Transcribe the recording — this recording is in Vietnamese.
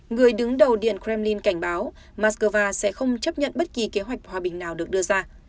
người đứng đầu điện kremlin cảnh báo mắc cơ va sẽ không chấp nhận bất kỳ kế hoạch hòa bình nào được đưa ra